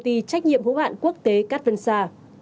trách nhiệm hữu hạn quốc tế cát vân sa